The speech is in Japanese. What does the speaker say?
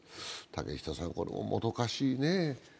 竹下さん、これももどかしいね。